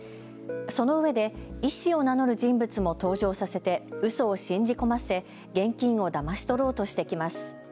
そのうえで医師を名乗る人物も登場させてうそを信じ込ませ現金をだまし取ろうとしてきます。